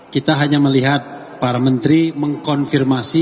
kita hanya melihat para menteri mengkonfirmasi